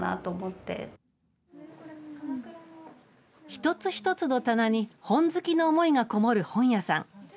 一つ一つの棚に本好きの思いがこもる本屋さん。